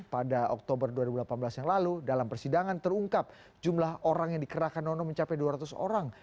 pada oktober dua ribu delapan belas yang lalu dalam persidangan terungkap jumlah orang yang dikerahkan nono mencapai dua ratus orang